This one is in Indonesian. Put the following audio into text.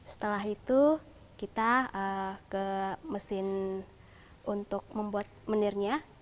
setelah itu kita ke mesin untuk membuat menirnya